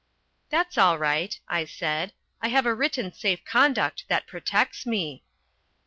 "That's all right," I said. "I have a written safe conduct that protects me."